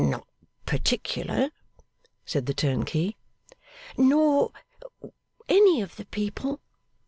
'N not particular,' said the turnkey. 'Nor any of the people?